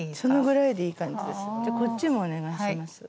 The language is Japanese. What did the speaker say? じゃあこっちもお願いします。